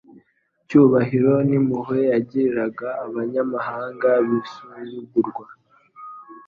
icyubahiro n'impuhwe yagiriraga abanyamahanga b'insuzugurwa.